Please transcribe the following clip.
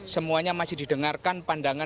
semuanya masih didengarkan